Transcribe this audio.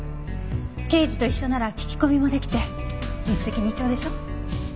刑事と一緒なら聞き込みもできて一石二鳥でしょ。